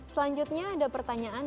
selanjutnya ada pertanyaan